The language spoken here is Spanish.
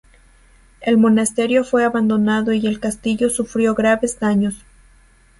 El monasterio fue abandonado y el castillo sufrió graves daños.